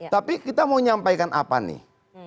tapi kita mau nyampaikan apa nih